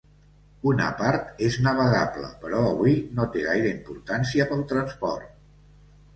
Una part és navegable, però avui no té gaire importància pel transport.